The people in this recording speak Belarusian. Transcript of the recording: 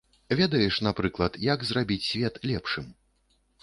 Ведаеш, напрыклад, як зрабіць свет лепшым?